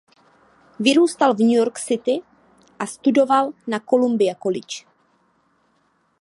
Vyrůstal v New York City a studoval na Columbia College.